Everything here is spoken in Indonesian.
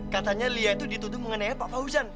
katanya lia itu dituduh mengenai pak fauzan